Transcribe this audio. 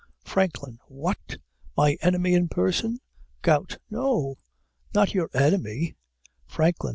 FRANKLIN. What! my enemy in person? GOUT. No, not your enemy. FRANKLIN.